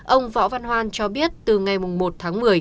ông võ văn hoan cho biết từ ngày một tháng một mươi